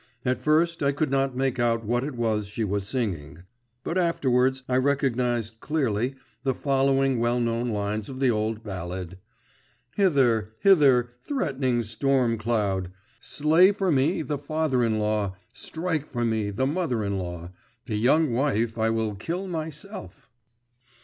At first I could not make out what it was she was singing, but afterwards I recognised clearly the following well known lines of the old ballad: 'Hither, hither, threatening storm cloud, Slay for me the father in law, Strike for me the mother in law, The young wife I will kill myself!